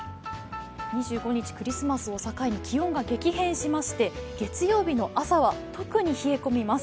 ２５日クリスマスを境に気温が激変しまして月曜日の朝は特に冷え込みます。